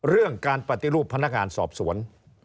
เรื่องการปฏิรูปพนักงานสอบสวน